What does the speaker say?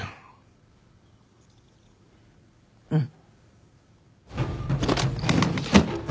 うん。